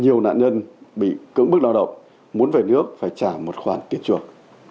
nhiều nạn nhân bị cưỡng bức lao động muốn về nước phải trả một khoản tiền chuộc